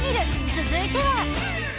続いては。